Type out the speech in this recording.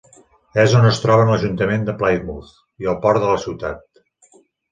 És on es troben l'ajuntament de Plymouth i el port de la ciutat.